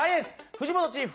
藤本チーフ